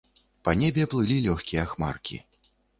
Па небе плылі лёгкія хмаркі.